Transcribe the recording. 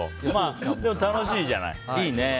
でも、楽しいじゃない。